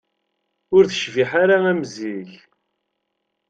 Ur tecbiḥ ara am zik.